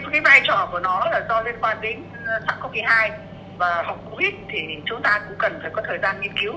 cái vai trò của nó là do liên quan đến sars cov hai và học bổ ích thì chúng ta cũng cần phải có thời gian nghiên cứu